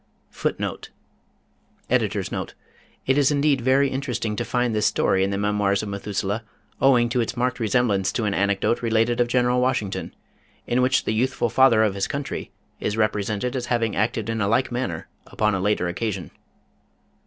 [Footnote 2: Editor's Note: It is very interesting to find this story in the Memoirs of Methuselah owing to its marked resemblance to an anecdote related of General Washington, in which the youthful father of his country is represented as having acted in a like manner upon a later occasion.